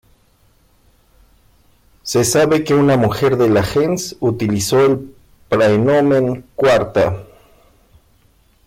Se sabe que una mujer de la gens utilizó el praenomen "Quarta".